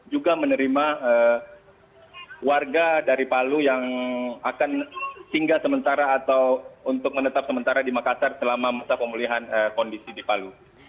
juga menerima warga dari palu yang akan tinggal sementara atau untuk menetap sementara di makassar selama masa pemulihan kondisi di palu